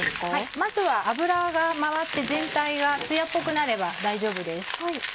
まずは油が回って全体がつやっぽくなれば大丈夫です。